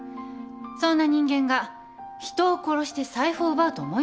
そんな人間が人を殺して財布を奪うと思いますか？